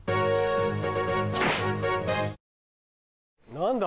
何だ？